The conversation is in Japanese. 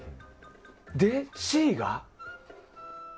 で、Ｃが。